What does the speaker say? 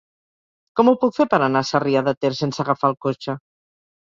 Com ho puc fer per anar a Sarrià de Ter sense agafar el cotxe?